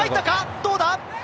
どうだ！？